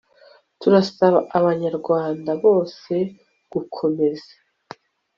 turasaba abanyarwanda bose gukomeza